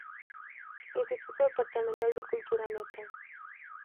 Instituto Departamental de Cultura Meta.